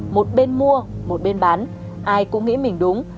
một bên bán ai cũng nghĩ mình đúng